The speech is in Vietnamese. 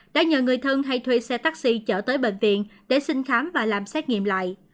đã nhờ người thân hay thuê xe taxi chở tới bệnh viện để xin khám và làm xét nghiệm lại